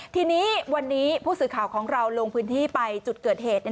ทีนี้วันนี้ผู้สื่อข่าวของเราลงพื้นที่ไปจุดเกิดเหตุ